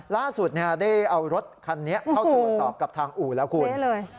ล่าสุดได้เอารถคันนี้เข้าตรวจสอบกับทางอู่แล้วคุณ